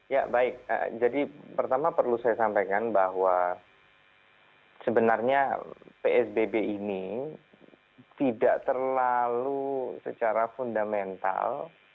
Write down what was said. ya baik jadi pertama perlu saya sampaikan bahwa sebenarnya psbb ini tidak terlalu secara fundamental